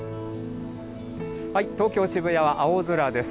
東京・渋谷は青空です。